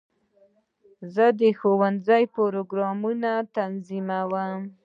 زه د ښوونځي پروګرامونه تنظیموم.